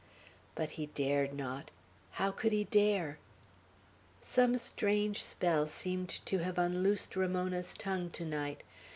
But he dared not. How could he dare? Some strange spell seemed to have unloosed Ramona's tongue to night.